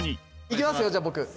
「いきますよじゃあ僕」